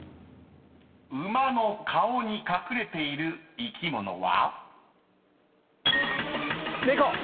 ［馬の顔に隠れている生き物は？］